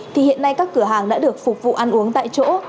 thì hiện nay các cửa hàng đã được phục vụ ăn uống tại chỗ